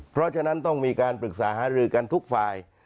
เพราะฉะนั้นต้องมีการปรึกษาหารือกันทุกฝ่าย